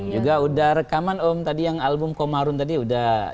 juga sudah rekaman om tadi yang album komarun tadi sudah rekaman juga